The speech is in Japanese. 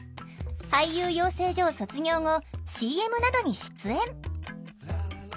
俳優養成所を卒業後ＣＭなどに出演